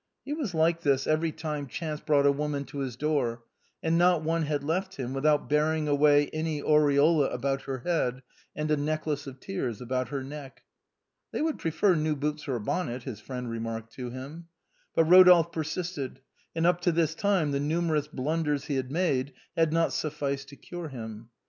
He was like this every time chance brought a woman to his door, and not one had left him without bearing away an aureola about her head and a necklace of tears about her neck. " They would prefer new boots or a bonnet," his friends remarked to him. But Eodolphe persisted, and up to this time the numer ous blunders he had made had not sufficed to cure him.